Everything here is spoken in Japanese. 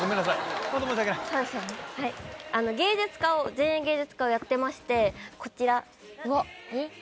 前衛芸術家をやってましてこちら。